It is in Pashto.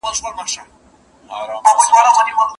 څوک یې نه لیدی پر مځکه چي دښمن وي